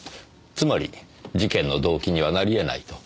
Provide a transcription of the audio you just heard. つまり事件の動機にはなり得ないと？